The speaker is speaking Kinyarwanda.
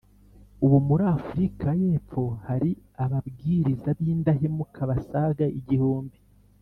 Ubu muri Afurika y Epfo hari ababwiriza b indahemuka basaga igihumbi